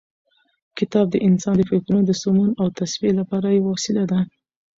کتاب د انسان د فکرونو د سمون او تصفیې لپاره یوه وسیله ده.